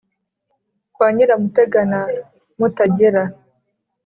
Kwa Nyiramutega na Mutagera